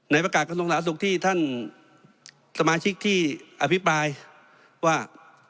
ประกาศกระทรวงสาธารณสุขที่ท่านสมาชิกที่อภิปรายว่า